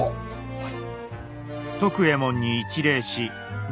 はい。